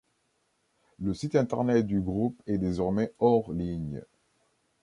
Le site internet du groupe est désormais hors-ligne.